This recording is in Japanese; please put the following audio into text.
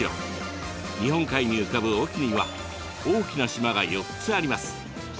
日本海に浮かぶ隠岐には大きな島が４つあります。